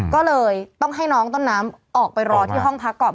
ก็เลยต้องให้น้องต้นน้ำออกไปรอที่ห้องพักก่อน